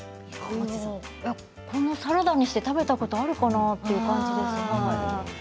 サラダにして食べたことあるかなという感じです。